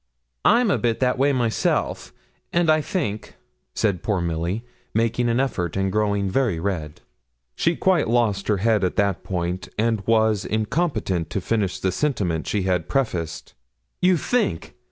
'I'm a bit that way, myself; and I think,' said poor Milly, making an effort, and growing very red; she quite lost her head at that point, and was incompetent to finish the sentiment she had prefaced. 'You think?